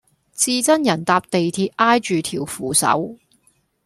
至憎人搭地鐵挨住條扶手